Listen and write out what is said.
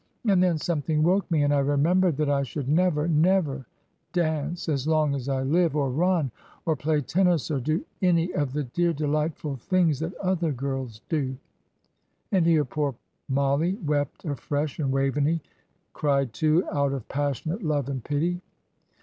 And then something woke me and I remembered that I should never, never dance as long as I live, or run, or play tennis, or do any of the dear, delightful things that other girls do;" and here poor Mollie wept afresh, and Waveney cried too, out of passionate love and pity.